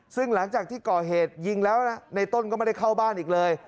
ซึ่งหลังจากที่ก่อเหตุยิงแล้วนะในต้นก็ไม่ได้เข้าบ้านอีกเลย